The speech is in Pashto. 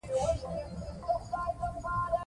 کلا دروازه یې خلاصه کړه چې وګوري.